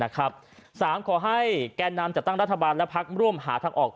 ขอให้แก่นำจัดตั้งรัฐบาลและพักร่วมหาทางออก